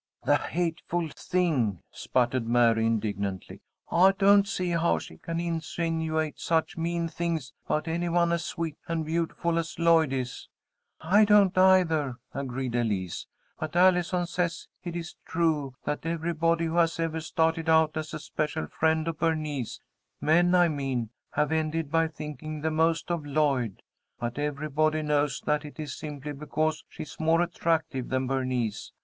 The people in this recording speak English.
"The hateful thing!" sputtered Mary, indignantly. "I don't see how she can insinuate such mean things about any one as sweet and beautiful as Lloyd is." "I don't either," agreed Elise, "but Allison says it is true that everybody who has ever started out as a special friend of Bernice, men I mean, have ended by thinking the most of Lloyd. But everybody knows that it is simply because she is more attractive than Bernice.